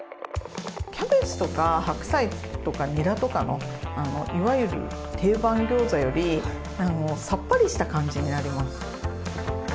キャベツとか白菜とかニラとかのいわゆる定番ギョーザよりさっぱりした感じになります。